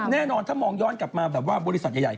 แน่นอนถ้ามองย้อนกลับมาแบบว่าบริษัทใหญ่